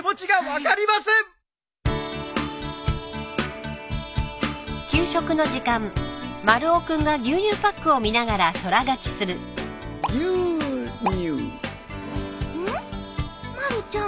まるちゃん。